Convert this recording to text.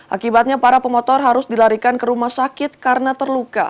akibatnya para pemotor harus dilarikan ke rumah sakit karena terluka